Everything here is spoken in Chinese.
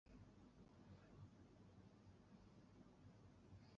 托马塔尔是奥地利萨尔茨堡州隆高县的一个市镇。